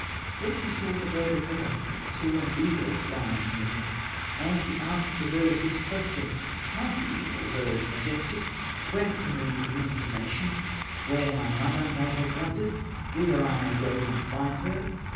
Then he saw the bird of heaven, Saw an eagle flying near him, And he asked the bird this question: "Mighty eagle, bird majestic, Grant to me the information, Where my mother may have wandered, Whither I may go and find her!"